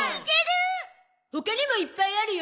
他にもいっぱいあるよ